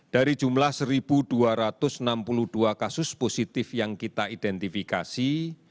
dari jumlah satu dua ratus enam puluh dua kasus positif yang kita identifikasi